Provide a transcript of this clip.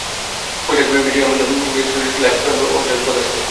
পোশাকে বিজয়ের এমন ছোঁয়া নিয়ে শুরু হয়েছে লাইফ স্টাইল ব্র্যান্ড অঞ্জনসের প্রদর্শনী।